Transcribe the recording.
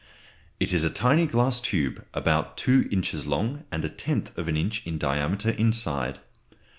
It is a tiny glass tube, about two inches long and a tenth of an inch in diameter inside.